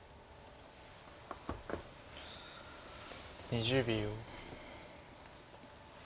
２０秒。